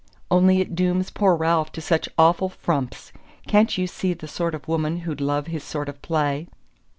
"Only it dooms poor Ralph to such awful frumps. Can't you see the sort of woman who'd love his sort of play?"